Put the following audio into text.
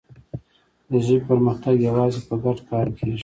د ژبې پرمختګ یوازې په ګډ کار کېږي.